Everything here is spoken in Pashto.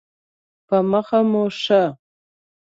په مخه مو ښه